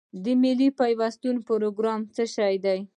د ملي پیوستون پروګرام څه شو؟